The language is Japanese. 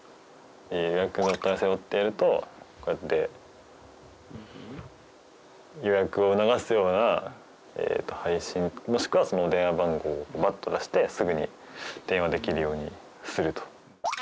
「予約のお問い合わせ」ってやるとこうやって予約を促すような配信もしくは電話番号をバッと出してすぐに電話できるようにすると。